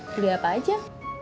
beli apa aja